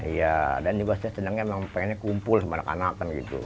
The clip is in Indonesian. iya dan juga saya senangnya memang pengennya kumpul sama anak anak kan gitu